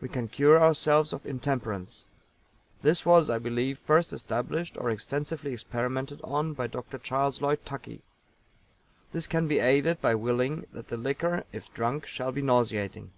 We can cure ourselves of intemperance. This was, I believe, first established or extensively experimented on by Dr. CHARLES LLOYD TUCKEY. This can be aided by willing that the liquor, if drunk, shall be nauseating.